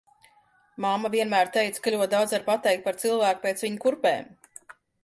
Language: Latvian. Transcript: Mamma vienmēr teica, ka ļoti daudz var pateikt par cilvēku pēc viņa kurpēm.